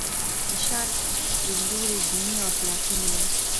د شارپ لیدلوری دیني او اخلاقي نه دی.